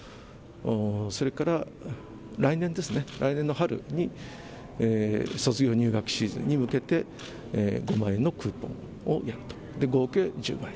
それから来年ですね、来年の春に、卒業、入学シーズンに向けて、５万円のクーポンをやると。